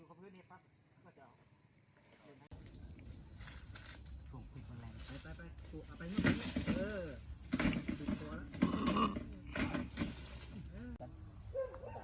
วันที่สุดท้ายมันกลายเป็นเวลาที่สุดท้าย